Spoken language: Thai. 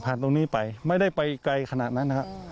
ตรงนี้ไปไม่ได้ไปไกลขนาดนั้นนะครับ